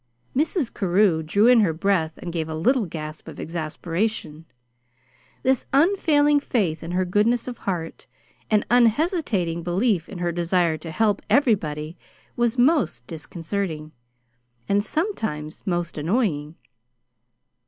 Mrs. Carew drew in her breath and gave a little gasp of exasperation. This unfailing faith in her goodness of heart, and unhesitating belief in her desire to "help everybody" was most disconcerting, and sometimes most annoying.